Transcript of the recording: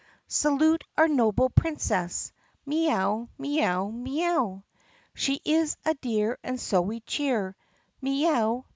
"Salute our noble Princess! Mee ow! Mee ow! Mee ow! She is a dear and so we cheer Mee ow!